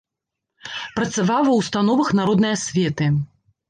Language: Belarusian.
Працаваў ва ўстановах народнай асветы.